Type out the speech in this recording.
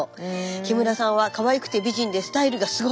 木村さんはかわいくて美人でスタイルがすごい！